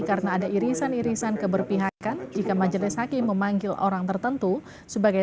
karena ada irisan irisan keberpihakan jika majelis hakim memanggil orang tertentu sebagai